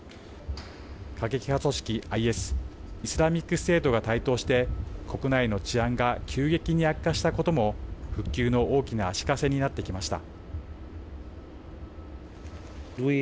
過激派組織ＩＳ＝イスラミックステートが台頭して国内の治安が急激に悪化したことも復旧の大きな足かせになってきました。